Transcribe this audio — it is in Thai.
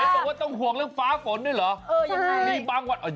บอกว่าต้องห่วงเรื่องฟ้าฝนด้วยเหรอ